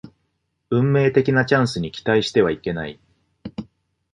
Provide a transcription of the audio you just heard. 運命的なチャンスに期待してはいけない